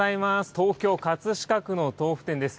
東京・葛飾区の豆腐店です。